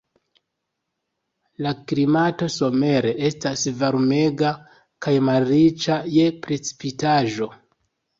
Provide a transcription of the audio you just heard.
La klimato somere estas varmega kaj malriĉa je precipitaĵo.